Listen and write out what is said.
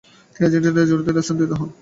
তিনি আর্জেন্টিনার রোজারিওতে স্থানান্তরিত হন।